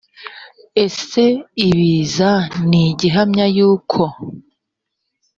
ese ibiza ni gihamya y uko